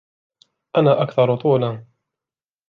أنا أكثر طولاً.